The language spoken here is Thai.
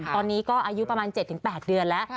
ตอนนี้ก็อายุประมาณ๗๘เดือนแล้ว